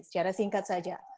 secara singkat saja